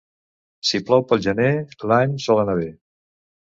Si plou pel gener, l'any sol anar bé.